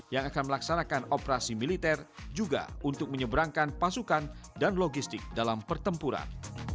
yang akan melaksanakan operasi militer juga untuk menyeberangkan pasukan dan logistik dalam pertempuran